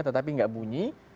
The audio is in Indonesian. tetapi tidak bunyi